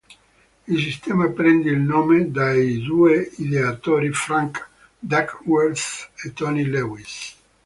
Il sistema prende il nome dai due ideatori Frank Duckworth e Tony Lewis.